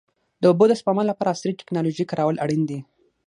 د اوبو د سپما لپاره عصري ټکنالوژي کارول اړین دي.